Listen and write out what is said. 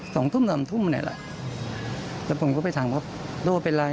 สองทุ่มสามทุ่มเนี่ยแหละแล้วผมก็ไปถามว่าโด่เป็นไร